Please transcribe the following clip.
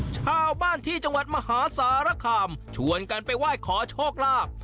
ชาวบ้านที่จังหวัดมหาสารคามชวนกันไปไหว้ขอโชคลาภ